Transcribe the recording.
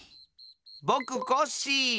ぼくコッシー！